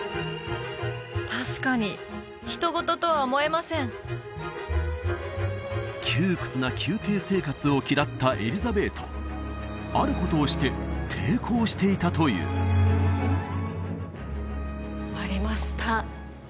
確かに人ごととは思えません窮屈な宮廷生活を嫌ったエリザベートあることをして抵抗していたというありました